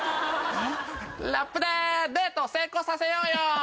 ラップでデートを成功させようよ！